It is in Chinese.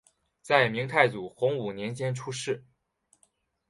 在明太祖洪武年间出仕。